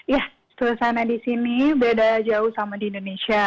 ya suasana di sini beda jauh sama di indonesia